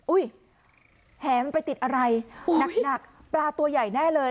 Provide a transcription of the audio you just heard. แหมันไปติดอะไรหนักปลาตัวใหญ่แน่เลย